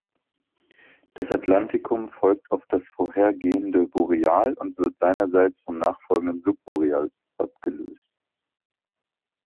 Das Atlantikum folgt auf das vorhergehende Boreal und wird seinerseits vom nachfolgenden Subboreal abgelöst.